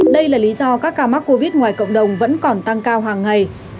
đây là lý do các ca mắc covid ngoài cộng đồng vẫn còn tăng cao hàng ngày